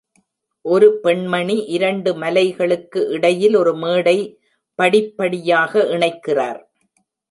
ஒரு பெண்மணி இரண்டு மலைகளுக்கு இடையில் ஒரு மேடை படிப்படியாக இணைக்கிறார்.